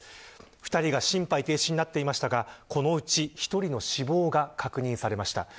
２人が心肺停止になっていましたがこのうち１人の死亡が確認されました。